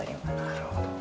なるほど。